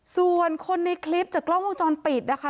ส่วนคนในคลิปจากกล้องวงจรปิดนะคะ